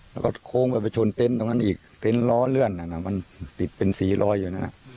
แล้วก็โค้งไปไปชนเต็นต์ตรงนั้นอีกเต็นต์ล้อเลื่อนนั้นมันติดเป็นสี่ร้อยอยู่นั่น